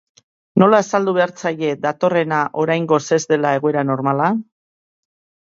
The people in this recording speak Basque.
Nola azaldu behar zaie datorrena oraingoz ez dela egoera normala?